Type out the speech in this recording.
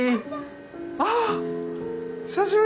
ああ久しぶり。